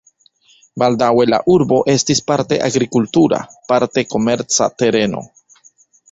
Baldaŭe la urbo estis parte agrikultura, parte komerca tereno.